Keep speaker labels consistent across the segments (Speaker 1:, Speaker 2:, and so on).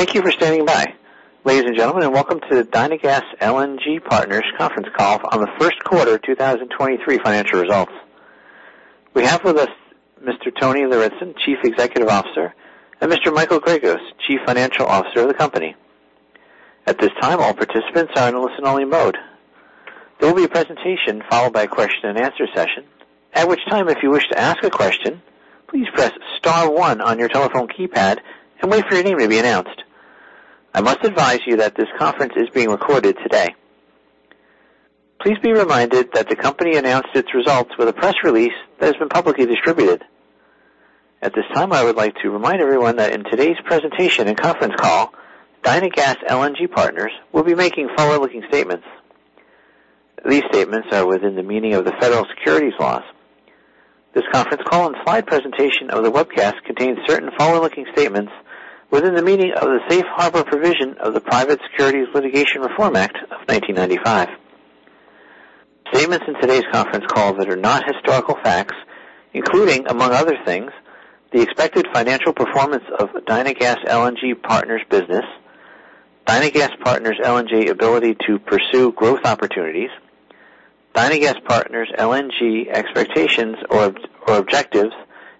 Speaker 1: Thank you for standing by. Ladies and gentlemen, and welcome to the Dynagas LNG Partners conference call on the first quarter 2023 financial results. We have with us Mr. Tony Lauritzen, Chief Executive Officer, and Mr. Michael Gregos, Chief Financial Officer of the company. At this time, all participants are in a listen-only mode. There will be a presentation followed by a question-and-answer session, at which time, if you wish to ask a question, please press star one on your telephone keypad and wait for your name to be announced. I must advise you that this conference is being recorded today. Please be reminded that the company announced its results with a press release that has been publicly distributed. At this time, I would like to remind everyone that in today's presentation and conference call, Dynagas LNG Partners will be making forward-looking statements. These statements are within the meaning of the federal securities laws. This conference call and slide presentation of the webcast contains certain forward-looking statements within the meaning of the safe harbor provision of the Private Securities Litigation Reform Act of 1995. Statements in today's conference call that are not historical facts, including, among other things, the expected financial performance of Dynagas LNG Partners business, Dynagas LNG Partners ability to pursue growth opportunities, Dynagas LNG Partners expectations or objectives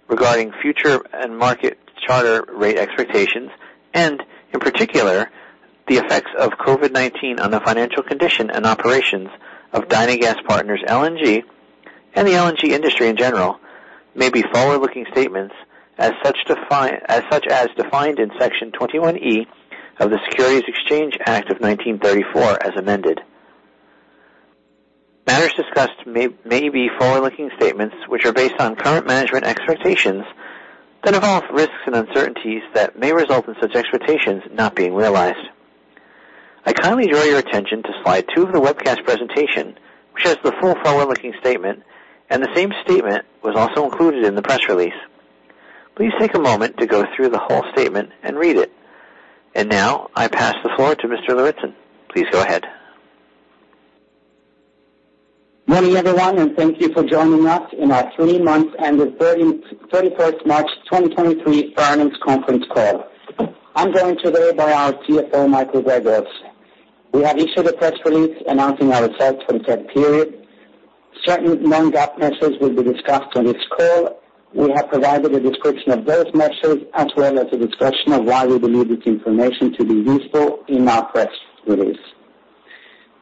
Speaker 1: regarding future and market charter rate expectations, and in particular, the effects of COVID-19 on the financial condition and operations of Dynagas LNG Partners, and the LNG industry in general, may be forward-looking statements as such as defined in Section 21E of the Securities Exchange Act of 1934, as amended. Matters discussed may be forward-looking statements, which are based on current management expectations that involve risks and uncertainties that may result in such expectations not being realized. I kindly draw your attention to slide two of the webcast presentation, which has the full forward-looking statement, and the same statement was also included in the press release. Please take a moment to go through the whole statement and read it. Now I pass the floor to Mr. Lauritzen. Please go ahead.
Speaker 2: Morning, everyone, thank you for joining us in our three months ended March 31st, 2023 earnings conference call. I'm joined today by our CFO, Michael Gregos. We have issued a press release announcing our results for the third period. Certain non-GAAP measures will be discussed on this call. We have provided a description of those measures, as well as a discussion of why we believe this information to be useful in our press release.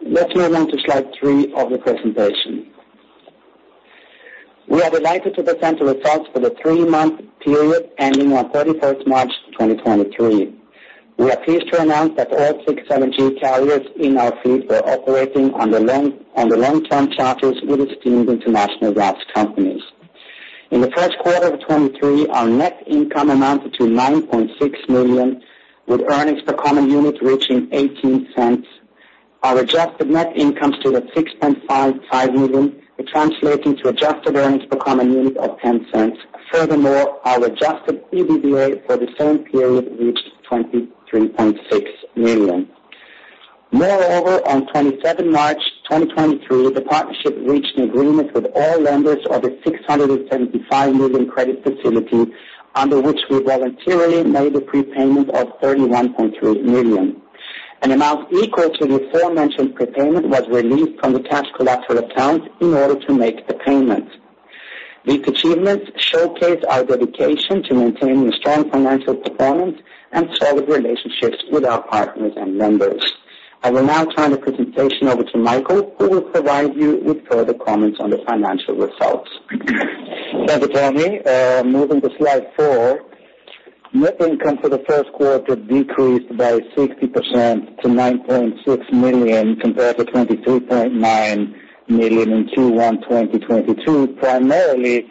Speaker 2: Let's move on to slide three of the presentation. We are delighted to present the results for the three-month period ending on March 31st, 2023. We are pleased to announce that all six LNG carriers in our fleet are operating on the long-term charters with esteemed international gas companies. In the first quarter of 2023, our net income amounted to $9.6 million, with earnings per common unit reaching $0.18. Our adjusted net income to $6.55 million, translating to adjusted earnings per common unit of $0.10. Our Adjusted EBITDA for the same period reached $23.6 million. On March 27, 2023, the partnership reached an agreement with all lenders of a $675 million credit facility, under which we voluntarily made a prepayment of $31.3 million. An amount equal to the aforementioned prepayment was released from the cash collateral account in order to make the payment. These achievements showcase our dedication to maintaining a strong financial performance and solid relationships with our partners and members. I will now turn the presentation over to Michael, who will provide you with further comments on the financial results. Thank you, Tony. Moving to slide four. Net income for the first quarter decreased by 60% to $9.6 million, compared to $23.9 million in Q1 2022, primarily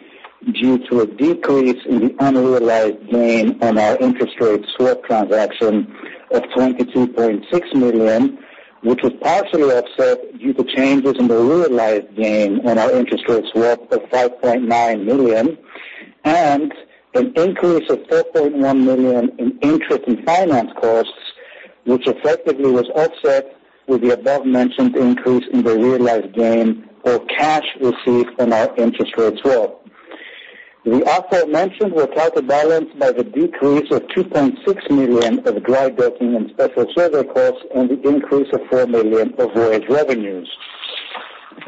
Speaker 2: due to a decrease in the unrealized gain on our interest rate swap transaction of $22.6 million, which was partially offset due to changes in the realized gain on our interest rate swap of $5.9 million, and an increase of $4.1 million in interest and finance costs, which effectively was offset with the above-mentioned increase in the realized gain or cash received from our interest rate swap. The aforementioned were part of balanced by the decrease of $2.6 million of dry docking and special survey costs and the increase of $4 million of voyage revenues.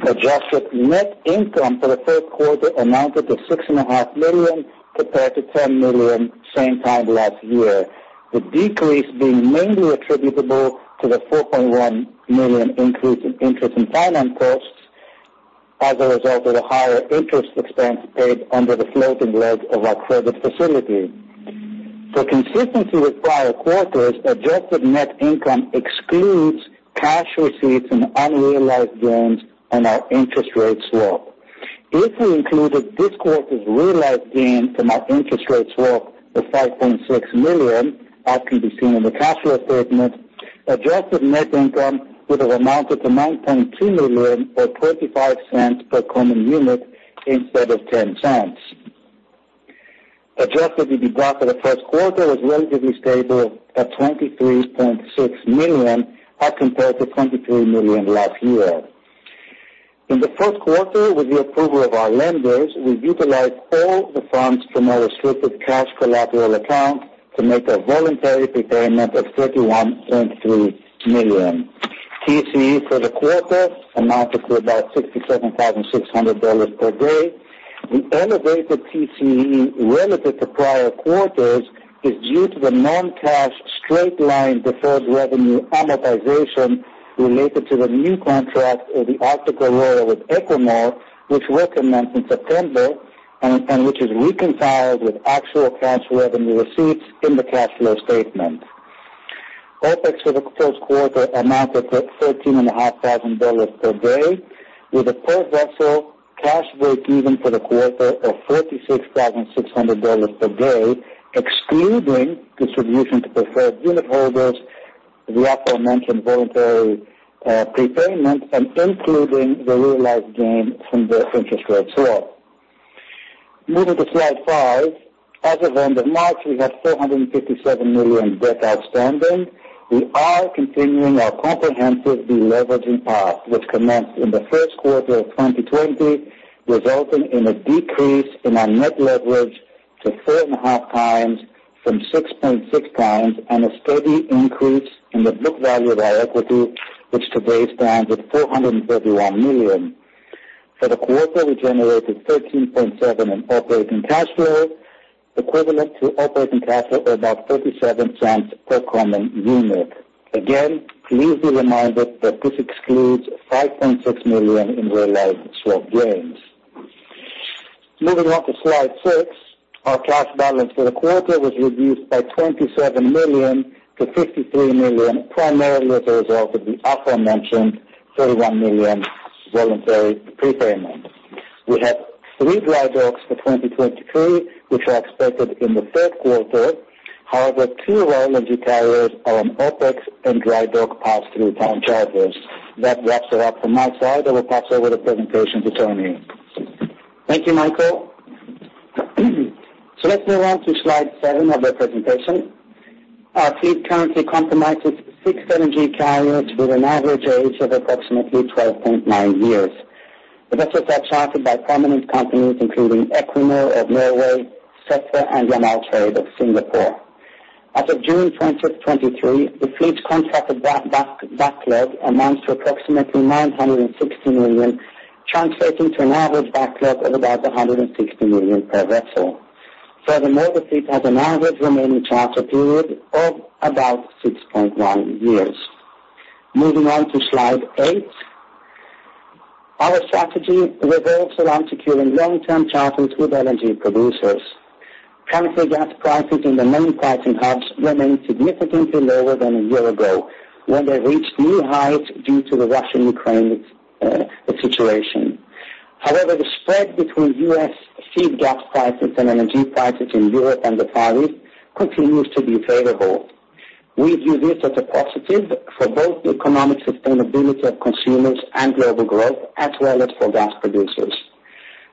Speaker 2: Adjusted net income for the first quarter amounted to six and a half million, compared to $10 million same time last year. The decrease being mainly attributable to the $4.1 million increase in interest and finance costs as a result of the higher interest expense paid under the floating rate of our credit facility. For consistency with prior quarters, adjusted net income excludes cash receipts and unrealized gains on our interest rate swap. If we included this quarter's realized gain on our interest rate swap of $5.6 million, as can be seen in the cash flow statement, adjusted net income would have amounted to $9.2 million, or $0.25 per common unit, instead of $0.10. Adjusted EBITDA for the first quarter was relatively stable at $23.6 million, as compared to $23 million last year. In the first quarter, with the approval of our lenders, we utilized all the funds from our restricted cash collateral account to make a voluntary prepayment of $31.3 million. TCE for the quarter amounted to about $67,600 per day. The elevated TCE relative to prior quarters is due to the non-cash straight-line deferred revenue amortization related to the new contract of the Arctic Aurora with Equinor, which recommenced in September, and which is reconciled with actual cash revenue receipts in the cash flow statement. OpEx for the first quarter amounted to thirteen and a half thousand dollars per day, with a per-vessel cash break-even for the quarter of $36,600 per day, excluding distribution to preferred unitholders, the aforementioned voluntary prepayment, and including the realized gain from the interest rate swap. Moving to slide five. As of end of March, we have $457 million debt outstanding. We are continuing our comprehensive deleveraging path, which commenced in the first quarter of 2020, resulting in a decrease in our net leverage to 3.5x from 6.6x, and a steady increase in the book value of our equity, which today stands at $431 million. For the quarter, we generated $13.7 million in operating cash flow, equivalent to operating cash flow of about $0.37 per common unit. Again, please be reminded that this excludes $5.6 million in realized swap gains. Moving on to slide six. Our cash balance for the quarter was reduced by $27 million to $53 million, primarily as a result of the aforementioned $31 million voluntary prepayment. We have three dry docks for 2023, which are expected in the third quarter. Two LNG carriers are on OpEx and dry dock pass-through time charters. That wraps it up from my side. I will pass over the presentation to Tony. Thank you, Michael. Let's move on to slide seven of the presentation. Our fleet currently compromises six LNG carriers with an average age of approximately 12.9 years. The vessels are chartered by prominent companies, including Equinor of Norway, SEFE and Yamal Trade of Singapore. As of June 20th, 2023, the fleet's contracted backlog amounts to approximately $960 million, translating to an average backlog of about $160 million per vessel. Furthermore, the fleet has an average remaining charter period of about 6.1 years. Moving on to slide eight. Our strategy revolves around securing long-term charters with LNG producers. Currently, gas prices in the main pricing hubs remain significantly lower than a year ago, when they reached new heights due to the Russian-Ukraine situation. The spread between U.S. feed gas prices and LNG prices in Europe and the Far East continues to be favorable. We view this as a positive for both the economic sustainability of consumers and global growth, as well as for gas producers.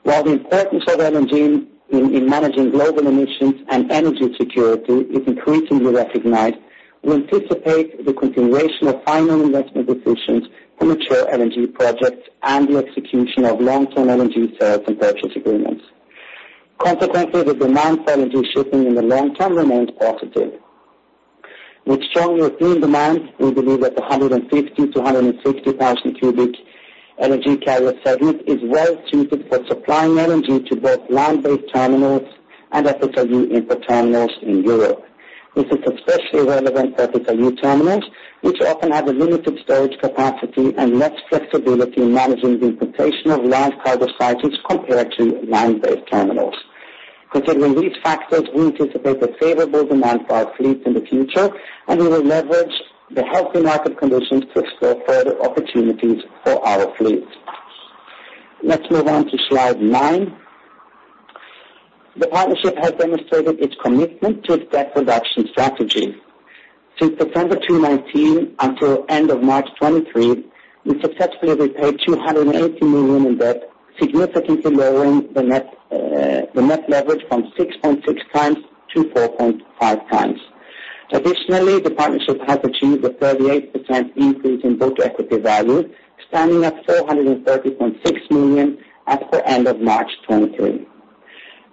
Speaker 2: While the importance of LNG in managing global emissions and energy security is increasingly recognized, we anticipate the continuation of final investment decisions for mature LNG projects and the execution of long-term LNG sales and purchase agreements. The demand for LNG shipping in the long term remains positive. With stronger clean demand, we believe that the 150,000-160,000 cubic LNG carrier segment is well suited for supplying LNG to both land-based terminals and FSRU import terminals in Europe. This is especially relevant for FSRU terminals, which often have a limited storage capacity and less flexibility in managing the importation of large cargo sizes compared to land-based terminals. Considering these factors, we anticipate a favorable demand for our fleet in the future, and we will leverage the healthy market conditions to explore further opportunities for our fleet. Let's move on to slide nine. The partnership has demonstrated its commitment to its debt reduction strategy. Since September 2019 until end of March 2023, we successfully repaid $280 million in debt, significantly lowering the net leverage from 6.6x-4.5x. Partnership has achieved a 38% increase in book equity value, standing at $430.6 million as per end of March 2023.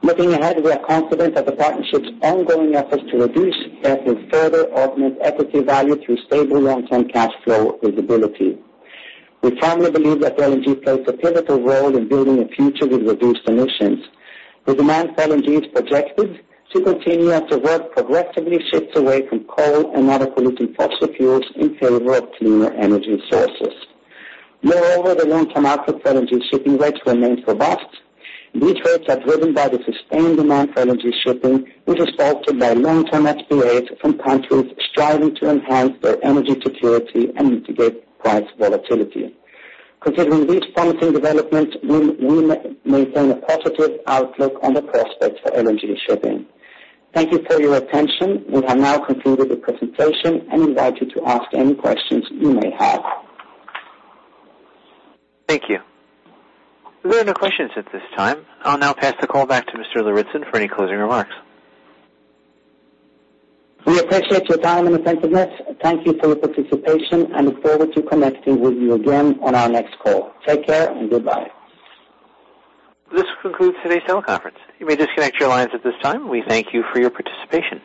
Speaker 2: Looking ahead, we are confident that the partnership's ongoing efforts to reduce debt will further augment equity value through stable long-term cash flow visibility. We firmly believe that LNG plays a pivotal role in building a future with reduced emissions. The demand for LNG is projected to continue as the world progressively shifts away from coal and other polluting fossil fuels in favor of cleaner energy sources. The long-term outlook for LNG shipping rates remains robust. These rates are driven by the sustained demand for LNG shipping, which is bolstered by long-term agreements from countries striving to enhance their energy security and mitigate price volatility. Considering these promising developments, we maintain a positive outlook on the prospects for LNG shipping. Thank you for your attention. We have now concluded the presentation and invite you to ask any questions you may have. Thank you. There are no questions at this time. I'll now pass the call back to Mr. Tony Lauritzen for any closing remarks. We appreciate your time and attentiveness. Thank you for your participation and look forward to connecting with you again on our next call. Take care and goodbye. This concludes today's teleconference. You may disconnect your lines at this time. We thank you for your participation.